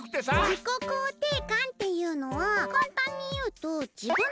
自己肯定感っていうのはかんたんにいうとふむふむ。